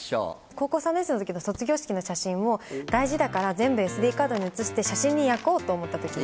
高校３年生の時の卒業式の写真を大事だから全部ＳＤカードに移して写真に焼こうと思った時に。